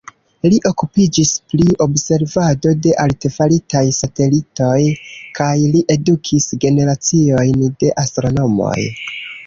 Li okupiĝis pri observado de artefaritaj satelitoj kaj li edukis generaciojn de astronomoj.